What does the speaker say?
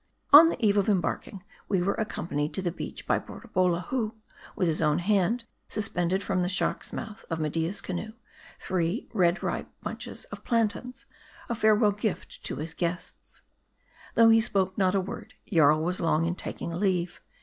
On the eve of embarking, we were accompanied to the beach by Borabolla ; who, with his own hand, suspended from the shark's mouth of Media's canoe, three red ripe bunches of plantains, a farewell gift to his guests. Though he spoke not a word, Jarl was long in taking leave.